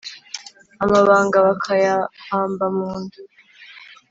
amabanga bakayahamba mu nda